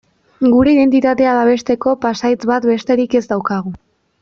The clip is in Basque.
Gure identitatea babesteko pasahitz bat besterik ez daukagu.